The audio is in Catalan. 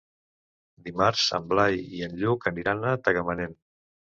Dimarts en Blai i en Lluc aniran a Tagamanent.